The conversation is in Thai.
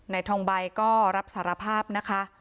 ทองใบก็รับสารภาพนะคะ